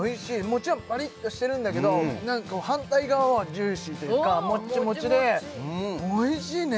もちろんパリッとしてるんだけど反対側はジューシーというかもっちもちでおいしいね！